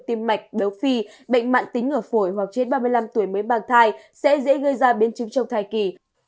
tim mạch béo phì bệnh mạng tính ở phổi hoặc trên ba mươi năm tuổi mới mang thai sẽ dễ gây ra biến chứng trong thai kỳ